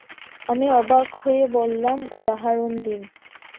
আমি অবাক হয়ে বললাম, উদাহরণ দিন।